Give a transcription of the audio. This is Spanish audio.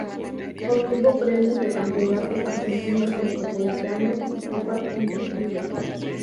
Obtuvo premios de campeonatos argentinos, metropolitanos y copas interclubes.